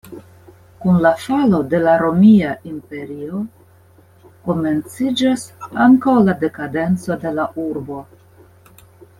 Kun la falo de la Romia Imperio, komenciĝas ankaŭ la dekadenco de la urbo.